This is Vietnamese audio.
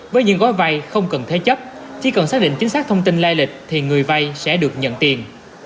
với những gói vay không cần thế chấp chỉ cần xác định chính xác thông tin lai lịch thì người vay sẽ được nhận tiền